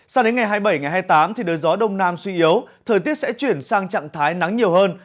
sao đến ngày hai mươi bảy ngày hai mươi tám thì đời gió đông nam suy yếu thời tiết sẽ chuyển sang trạng thái nắng nhiều hơn